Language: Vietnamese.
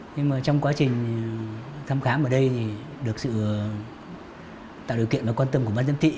nhưng mà trong quá trình thăm khám ở đây thì được sự tạo điều kiện và quan tâm của ban giám thị